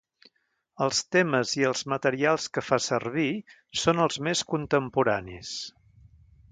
Els temes i els materials que fa servir són els més contemporanis.